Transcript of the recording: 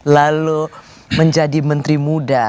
lalu menjadi menteri muda